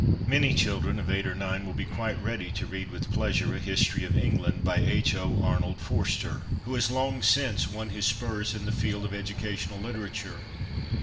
Many children of eight or nine will be quite ready to read with pleasure A History of England, by H. O. Arnold Forster, who has long since won his spurs in the field of educational literature.